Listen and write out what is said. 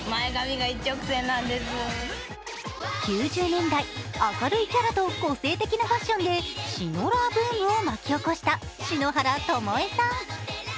９０年代、明るいキャラと個性的なファッションシノラーブームを巻き起こした篠原ともえさん。